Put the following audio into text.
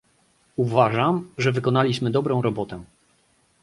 Uważam, że wykonaliśmy dobrą robotę